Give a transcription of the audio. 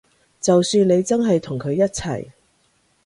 就算你真係同佢一齊